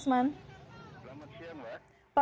selamat siang mbak